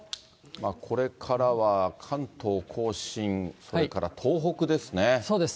これからは関東甲信、それから東北ですね。